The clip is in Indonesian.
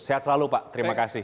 sehat selalu pak terima kasih